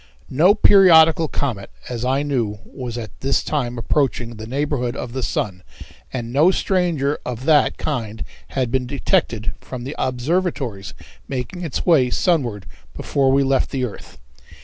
No periodical comet, as I knew, was at this time approaching the neighborhood of the sun, and no stranger of that kind had been detected from the observatories making its way sunward before we left the earth.